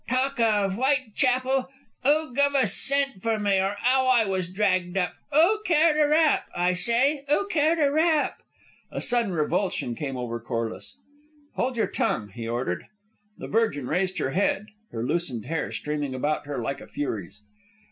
Talk of Whitechapel! 'Oo guv a cent for me, or 'ow I was dragged up? 'Oo cared a rap, I say? 'Oo cared a rap?" A sudden revulsion came over Corliss. "Hold your tongue!" he ordered. The Virgin raised her head, her loosened hair streaming about her like a Fury's.